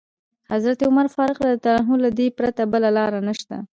حضرت عمر فاروق وویل: له دې پرته بله لاره نشته.